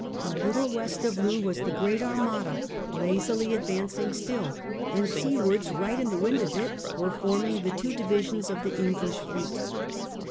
A little west of Looe was the great Armada lazily advancing still, and seawards right in the wind of it were forming the two divisions of the English fleet.